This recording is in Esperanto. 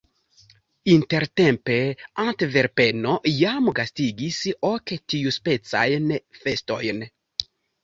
Intertempe Antverpeno jam gastigis ok tiuspecajn festojn.